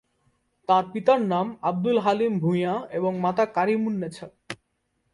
তার পিতার নাম আবদুল হালিম ভূঁইয়া এবং মাতা কারিমুন্নেছা।